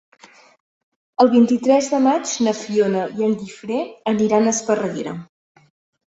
El vint-i-tres de maig na Fiona i en Guifré aniran a Esparreguera.